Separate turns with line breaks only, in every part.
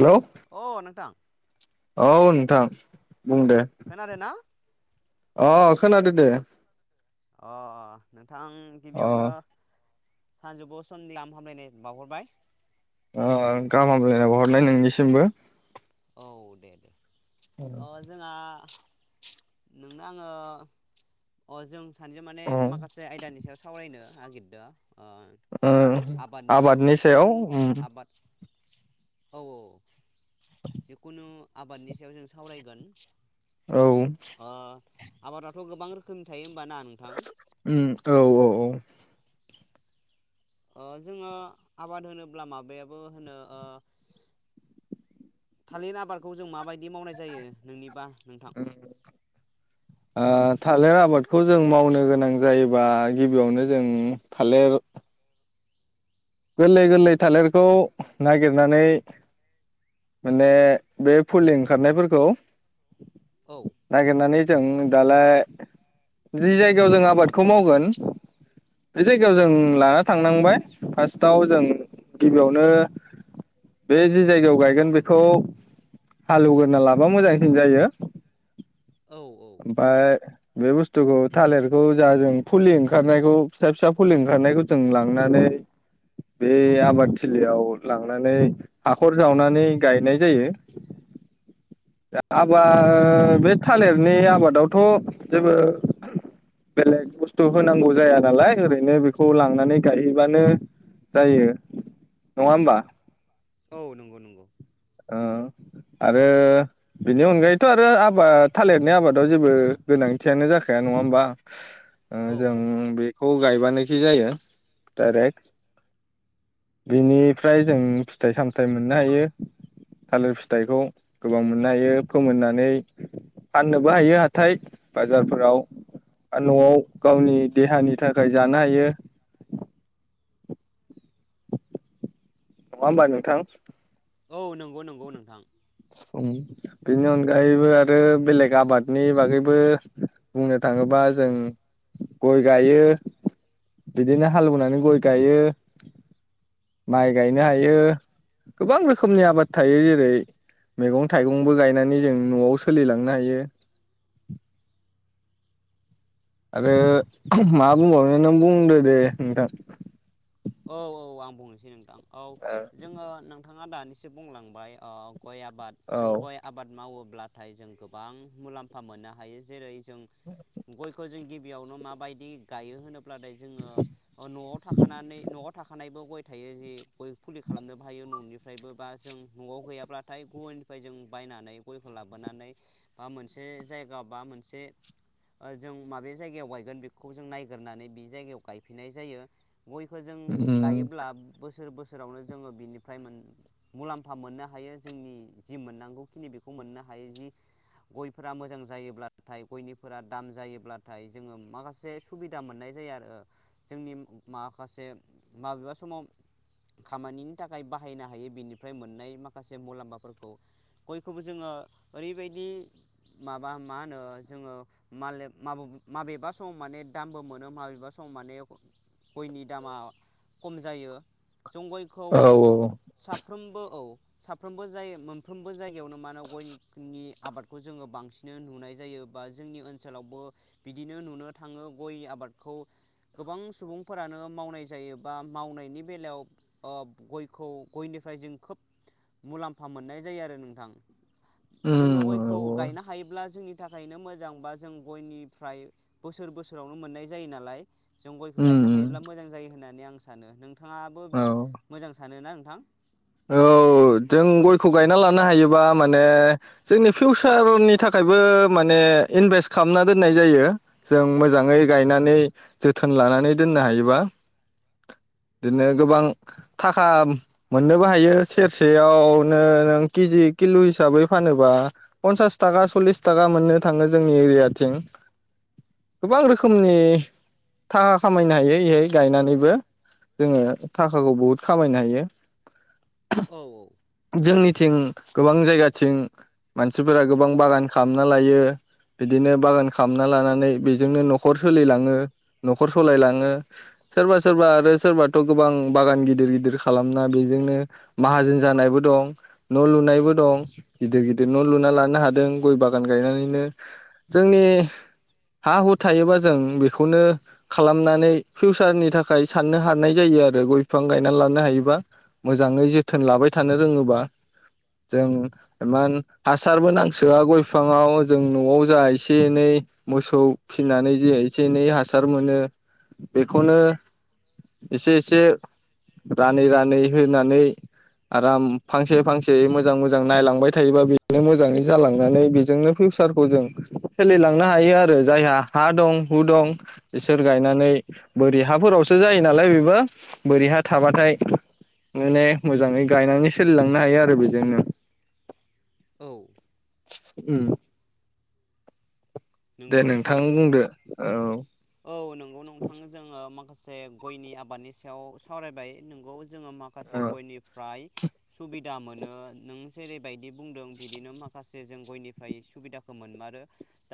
Hello.
अ नोंथां।
औ नोंथां। बुं दे
खोनादो ना?
अ खोनादो दे।
अ अ नों थां
अ
गिबियावनो सानजुफु समनि गाम हामलायनाय बावहरबाय।
अ गाहाम हामलायनाय बावहरनाय नोंनिसिमबो।
औ दे दे। अ जोंहा नोंना आङो अ जों सानैजों माने
अ ओ
माखासे आयदानि सायाव सावरायनो नागिरदों ओ आबादनि सायाव जिखुनु आबाद औ औ जिकुनु आबादनि सायाव जों सावरायगोन।
औ।
ओ आबादाथ' गोबां रोखोमनि थायो होमबाना नोंथां
उम औ औ औ।
ओ जोङो आबाद होनोब्ला माबायाबो होनो ओ थालिर आबादखौ जों माबायदि दि मावनाय जायो नोंनिबा नोंथां?
ओ थालेर आबादखौ जों मावनो गोनां जायोबा गिबियावनो जों थालेर गोरलै गोरलै थालेरखौ नागिरनानै माने बे फुलि ओंखारनायफोरखौ
औ
नायगेरनानै जों दालाय जि जायगायाव जों आबादखौ मावगोन बे जायगायाव जों लाना थांनांबाय फार्ट आव जों गिबियावनो बे जि जायगायाव गायगोन बेखौ हालेवग्रोना लाबा मोजांसिन जायो।
औ औ
ओमफाय बे बुस्थुखौ थालेरखौ जा जों फुलि ओंखारनायखौ फिसा फिसा फुलि ओंखारनायखौ जों लांनानै बे आबादथिलियाव लांनानै हाखर जावनानै गायनाय जायो। आबा
नंगौ
बे थालेर नि आबादावथ' जेबो बेलेग बुस्थु होनांगौ जाया नालाय ओरैनो बेखौ लांनानै गायहैबानो जायो। नङा होनबा?
औ नंगौ नंगौ।
ओ आरो बेनि अनगायैथ' आरो आबाद थालिरनि आबादाव जेबो गोनांथियानो जाखाया नङा होमबा? ओ
औ
जों बे खौ गायबानोखि जायो डाइरेक्ट बिनिफ्राय जों फिथाइ सामथायाइ मोननो हायो। थालिर फिथाइखौ गोबां मोननो हायो फोमोननानै फाननोबो हायो हाथाय बाजारफोराव आरो नआव गावनि देहानि थाखाय जानो हायो नङा होमबा नोंथां
औ नंगौ नंगौ नोंथां
बेनि अनगायैबो आरो बेलेग आबादनि बागैबो बुंनो थाङोबा जों गय गायो, बिदिनो हालेवनानै गय गायो। माइ गायनो हायो गोबां रोखोमनि आबाद थायो जेरै मैगं थाइगंबो गायनानै जों नआव सोलिलांनो हायो। आरो अहम मा बुंबाव नों बुंदो दे नोंथां
औ औ आं बुंनोसै नोंथां औ जोङो नोंथाङा दानि एसे बुंलांबाय ओ गय आबाद
औ
जों गय आबाद मावो ब्लाथाय जों गोबां मुलाम्फा मोननो हायो जेरै जों गयखौ जों गि बियावनो माबायदि गायो होनो ब्लादाय जोङो ओ नआव थाखानानै थाखानायबो गय थायो, जि गय फुलि खालामनोबो हायो ननिफ्रायबो बा जों नआव गैयाब्लाथाय गुबुननिफ्राय जों बायनानै गयखौ लाबोनानै बा मोनसे जायगा बा मोनसे ओ जों माबे जायगायाव गायगोन बेखौ जों नायगोरनानै बि जायगायाव गायफैनाय जायो गय खो जों गायोब्ला बोसोर बोसो रावनो जोङो बिनिफ्राय मोन मुलाम्फा मोननो हायो जोंनि जि मोननांगौखिनि बेखौ मोननो हायो जि गयफोरा मोजां जायोब्लाथाय गयनिफोरा दाम जायोब्लाथाय जोङो माखासे सुबिदा मोननाय जायो आरो ओ जोंनि मा खासे माबेबा समाव खामानिनि थाखाय बाहायनो हायो बिनिफ्राय मोननाय माखासे मुलाम्फाफोरखौ गयखौबो जोङो ओरैबायदि माबा मा होनो जोङोल माले माबेब माबेबा समाव माने दामबो मोनो, माबेबा समाव माने गयनि दामा खम जायो जं गयखौ
औ
साफ्रोमबो औ साफ्रोमबो जाय मोनफ्रोमबो जायगायावनो मा होनो गयनि आबादखौ जोङो बांसिन नुनाय जायो बा जोंनि ओनसोलावबो बिदिनो नुनो थाङो गय आबादखौ गोबां सुबुं फोरानो मावनाय जायो बा मावनायनि बेलायाव ओ गयखौ गयनिफ्राय जों खोब मुलाम्फा मोननाय जायो आरो नोंथां जोङो गयखौ गायनो हायोब्ला जोंनि थाखायनो मोजां बा जों गयनिफ्राय बोसोर बोसोरावनो मोननाय जायो नालाय जों गयखौ गायनो हायोब्ला मोजां जायो होनना नै आं सानो नों थाङाबो
औ
मोजां सानो ना नोंथां?
औ जों गयखौ गायना लानो हायोबा माने जोंनि फिउसारनि थाखायबो माने इनभेस्ट खामना दोननाय जायो जों मोजाङै गायनानै जोथोन लानानै दोननो हायोबा बिदिनो गोबां थाखा मोननोबो हायो सेरसेयावनो नों केजि किल हिसाबै फानोबा पन्सास थाखा सल्लिस थाखा मोननो थाङो जोंनि एरियाथिं गोबां रोखोमनि थाखा खामायनो हायो यहाय गायनानैबो जोङो थाखाखौ बहुद खामायनो हायो।
औ औ
जोंनिथिं गोबां जायगाथिं मानसिफोरा गोबां बागान खालामना लायो बिदिनो बागान खालामना लानानै बेजोंनो नखर सोलिलाङो नखर सालायलाङो सोरबा सोरबा आरो सोरबाथ गोबां बागान गिदिर गिदिर खालामना बेजोंनो माहाजोन जानायबो दं न लुनायबो दं गिदिर गिदिर न लुना लानो हादों गय बागान गायनानैनो जोंनि हा हु थायोबा जों बेखौनो खालामनानै फिउसारनि थाखाय साननो हानाय जायो आरो गय बिफां गायनानै लानो हायोबा मोजाङै जोथोन लाबाय था थानो रोङोबा जों इमान हासारबो नांसोआ गय बिफाङाव जों नआव जा एसे एनै मोसौ फिनानै जे एसे एनै हासार मोनो बेखौनो एसे एसे रानै रानै होनानै आराम फांसे फांसे मोजां मोजां नायलांबाय थायोबा बेजोंनो मोजाङै जालांनानै बेजोंनो फिउसारखौ जों सोलिलांनो हायो आरो जायहा हा दं हु दं बिसोर गायनानै बोरै हाफोरावसो जायो नालाय बेबो बोरै ह थाबाथाय माने मोजाङै गायनानै सोलिलांनो हायो आरो बेजोंनो।
औ
उम दे
नंगौ नोंथां
बुंदो औ
औ नंगौ नोंथां जोङो माख माखासे गयनि आबादनि सायाव सावरायबाय नंगौ जोङो
औ
माखासे गयनिफ्राय सुबिदा मोनो नों जेरैबायदि बुंदों बिदिनो माखासे जों गयनिफाय सुबिदाखौ मोनमारो।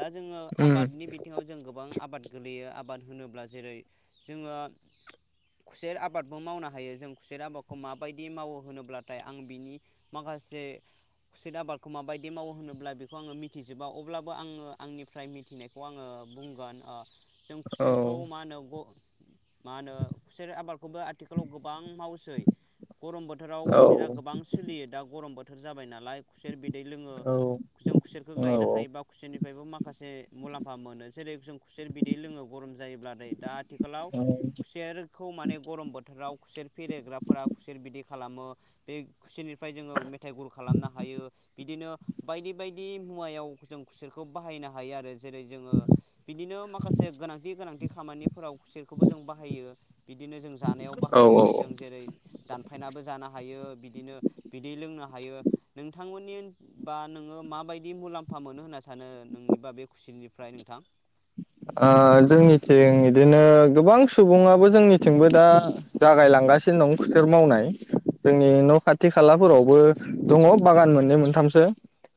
दा जोङो आबादनि बिथिङाव जों गोबां आबाद गोलैयो आबाद होनोब्ला जेरै जोङो खुसेर आबादबो मावनो हायो जों खुसेर आबादखौ माबायदि मावो होनोब्लाथाय आं बिनि माखासे खुसेर आबादखौ माबायदि मावो होनोब्ला बेखौ आङो मिथिजोबा अब्लाबो आङो आंनिफ्राय मिथिनायखौ आङो बुंगोन ओ- जों खुसोरखौ मा होनो ग मा होनो खुसेर आबादखौबो आथिखालाव गोबां मावसै। गरम बोथोराव
औ
खुसेरा गोबां सोलियो दा गरम बोथ जाबाय नालाय खुसेर बिद लोङो
औ
जों खुसेरखौ गायनो
औ
हायोबा खुसेनि माखासे मुलामफा मोनो जेरै जों खुसेर बिदै लोङो गरम जायोब्ला दै दा आथिखालाव खुसेरखौ माने गरम बोथोराव खुसेर फेरेग्राफोरा खुसेर बिदि खालामो बे खुसेरनिफ्राय जोङो मेथाइ गुर खालामनो हायो बिदिनो बायदि बायदि मुवायाव जों खुसेरख खौ बाहायनो हायो आरो जेरै जोङो बिदिनो माखासे गोनांथि गोनांथि खामानिफोराव खुसेरखौबो जों बाहायो। बिदिनो जों जानायाव बाहायो जों जेरै दानफायनाबो जानो हायो। बिदिनो बिदै लोंनो हायो नोंथांमोननि बा नोङो माबायदि मुलाम्फा मोनो होनना सा होनो नोंनिबा बे खुसिरनिफ्राय नोंथां?
ओ जोंनिथिं इदिनो गोबां सुबुङाबो जोंनिथिंबो दा जागायलांगासिनो दं खुथेर मावनाय जोंनि न खाथि खालाफोरावबो दङ बागान मोननै मोनथामसो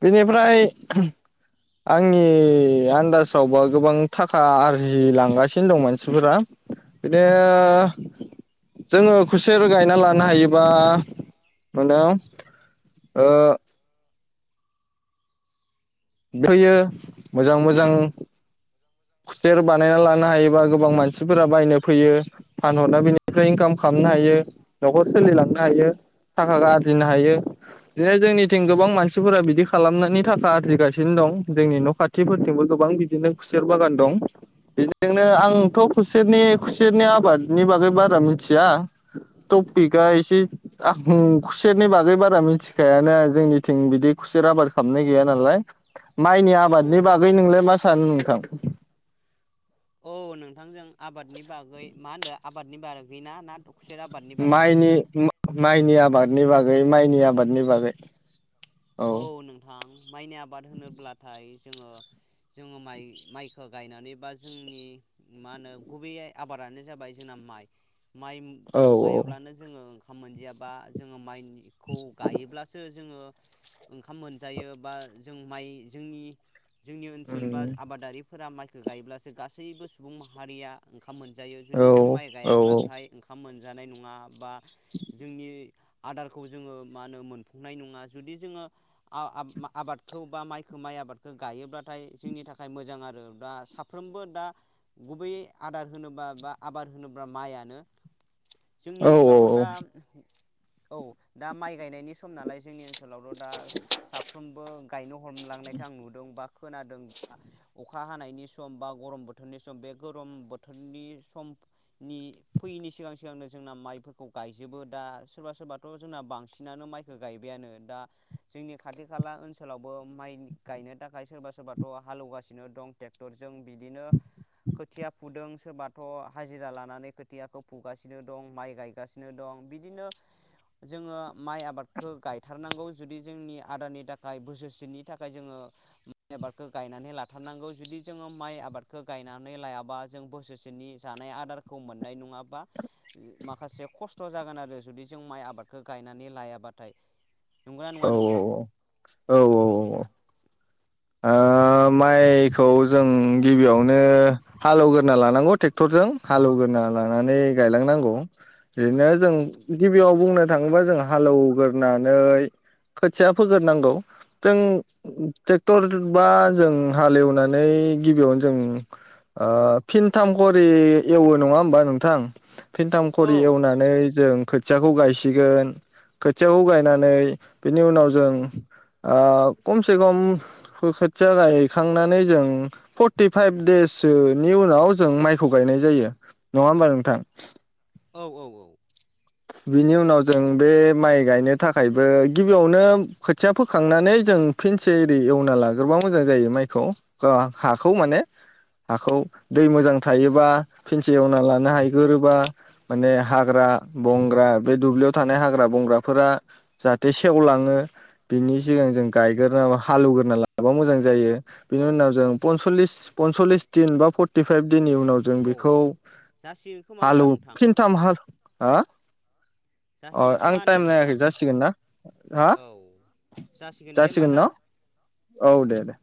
बेनिफ्राय आंनि आन्दासाव बा। गोबां थाखा आरजिलांगासिनो दं मानसिफोरा बिदिनो जोङो खुसेर गायना लानो हायोबा मानो ओ- होयो मोजां मोजां। खुसेर बानायना लानो हायोबा गोबां मानसिफोरा बायनो फैयो फानहरना बेनिफ्राय इनकाम खालामनो हायो नखर सोलिलांनो हायो थाखाखौ आरजिनो हायो बिदिनो जोंनिथिं गोबां मानसिफोरा बिदि खालामनानै थाखा आरजिगासिनो दं जोंनि न खाथिफोरथिंबो गोबां बिदिनो खुसे खुसेर बागान दं बेजोंनो आंथ खुसेरनि खुसेरनि आबादनि बागै बारा मिथिया टपिकआ एसे आं खुसेरनि बागै बारा मिथिखायानो जोंनिथिं बिदि खुसेर आबाद खालामनाय गैया नालाय। माइनि
औ औ
आबादनि बागै नोंलाय मा सा सानो नोंथा?
औ नोंथांजों आबादनि बागै मा होनदो आबादनि बार गै ना ना खुसेर आबादनि बागै?
माइनि मो माइनि आबादनि बागै माइनि आबादनि बागै।
औ नोंथां माइनि आबाद होनोब्लाथाय जोङो जोङो माइ माइखो गायनानै बा जोंनि मा होनो गुबैयै आबादानो जाबाय जोंना माइ माइ
औ
खौ गायाब्लानो जोङो खाम मोनजायाबा जोङो माइनि खौ गायोब्लासो जोङो ओंखाम मोनजायो बा जों माइ जोंनि जोंनि ओनसोल बा
उम
आबादारि फोरा माइखो गायोब्लासो गासैबो सुबुं माहारिया खाम मोनजायो
औ
जुदि जों माइ
औ
गायाब्लाथाय ओंखाम मोन जानाय नङा बा जोंनि आदारखौ जोङो मा होनो मोनफुंनाय नङा जुदि जोङो आ-आबादखौ बा माइखौ माइ आबादखौ गायोब्लाथाय जोंनि थाखाय मोजां आरो दा साफ्रोमबो दा गुबैयै आदार होनोबा बा आबाद होनोब्ला माइयानो। जोंनि
औ
ओनसोलावथ दा औ दा माइ गायनायनि सम नालाय जोंनि ओनसोलावल दा साफ्रोमबो गायनो ह हमलांनायखौ आं नुदों बा खोनादों अखा हानायनि सम बा गरम बोथोरनि सम बे गरम बोथोरनि समनि फैयैनि सिगां सिगांनो जोंना माइफोरखौ गायजोबो दा सोरबा सोरबाथ जोंना बांसिनानो माइखौ गायबायानो। दा जोंनि खाथि खाला ओनसोलावबो माइ गायनो थाखाय सोरबा सोरबाथ हालौवगासिनो दं टेक्टरजों बिदिनो खोथिया फुदों सोरबाथ हाजिरा लानानै खोथियाखौ फुगासिनो दं माइ गायगासिनो दं बिदिनो जोङो माइ आबादखौ गाय थारनांगौ जुदि जोंनि आदारनि थाखाय बोसोरसेनि थाखाय जोङो माइ आबादखौ गायनानै लाथारनांगौ जुदि जोङो माइ आबादखौ गायनानै लायाबा जों बोसोरसेनि जानाय आदारखौ मोननाय नङाबा माखासे खस्थ जागोन आरो जुदि जों माइ आबादखौ गायनानै लायाबाथाय। नंगौना
औ
नङा नोंथां
औ औ औ औ औ। ओ माइखौ जों गिबियावनो हालौगोरना लानांगौ टेक्टरजों हालेवगोरना लानानै गायलांनांगौ बिदिनो जों गिबियाव बुंनो थाङोबा जों हालौगोरनानै खोथिया फोगोरनांगौ जों टे टरबा जों हालेवनानै गिबियावनो जों ओ फिनथाम खरि एवो नङा होमबा नोंथां। फिन्थाम
औ
खरि एवनानै जों खोथियाखौ गायसिगोन खोथियाखौ गायनानै बिनि उनाव जों ओ खमसे खम खो-खोथिया गायखांनानै जों फर्टिफाइभ देससोनि उनाव जों माइखौ गायनाय जायो नङा होमबा नोंथां?
औ औ औ।
बिनि उनाव जों बे माइ गायनो थाखायबो गिबियावनो खोथिया फोखांनानै जों फिनसे एरि एवना लागोरबा मोजां जायो माइखौ हाखौ माने हाखौ दै मोजां थायोबा फिनसे एवना लानो हागोरयोबा माने हाग्रा बंग्रा बे दुब्लियाव थानाय हाग्रा बंग्राफोरा जाहाथे सेवलाङो बिनि सिगां जों गायगोर हालेगोरना लाबा मोजां जायो। बिनि
औ
उनाव जों पनसलिस। पनसलिस दिन बा फर्टिफाइभ दिननि उनाव जों
औ
बेखौ
जासिगोन खोमा होमबा
हालौ
नोंथां
फिनथाम हा हा?
जासिगोन खोमा होनदों
टाइम नायाखै
नोंथां
जासिगोन ना हा
औ जासिगोन दे होमबा ना?
औ दे दे।